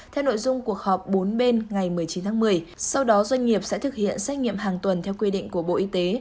theo nội dung cuộc họp bốn bên ngày một mươi chín tháng một mươi sau đó doanh nghiệp sẽ thực hiện xét nghiệm hàng tuần theo quy định của bộ y tế